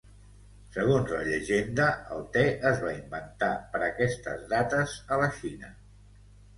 Segons la llegenda, el te es va inventar per aquestes dates a la Xina.